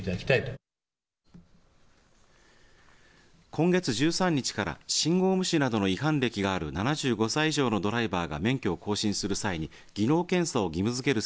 今月１３日から信号無視などの違反歴がある７５歳以上のドライバーが免許を更新する際に技能検査を義務づける